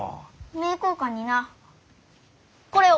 名教館になこれを。